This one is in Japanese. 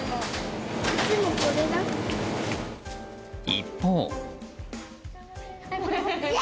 一方。